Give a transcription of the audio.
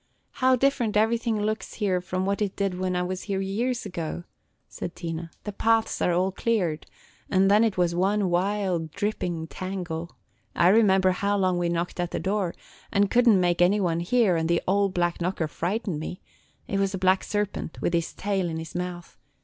"How different everything looks here from what it did when I was here years ago!" said Tina, – "the paths are all cleared, and then it was one wild, dripping tangle. I remember how long we knocked at the door, and could n't make any one hear, and the old black knocker frightened me, – it was a black serpent with his tail in his mouth.